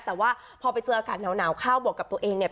แต่ว่าพอไปเจออากาศหนาวเข้าบวกกับตัวเองเนี่ย